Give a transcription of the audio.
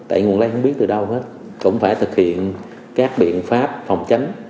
tại nguồn lây không biết từ đâu hết cũng phải thực hiện các biện pháp phòng tránh